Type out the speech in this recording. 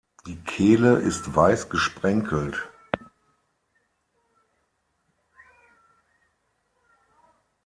Die Kehle ist weiß gesprenkelt.